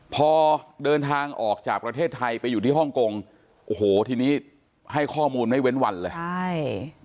พอเดินทางออกจากประเทศไทยไปอยู่ที่ฮ่องกงโอ้โหทีนี้ให้ข้อมูลไม่เว้นวันเลยใช่